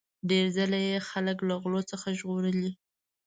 ډیر ځله یې خلک له غلو څخه ژغورلي.